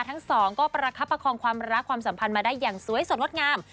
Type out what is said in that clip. ทั้งสองก็ประคับประคองความรักความสัมพันธ์มาได้อย่างสวยสดงดงาม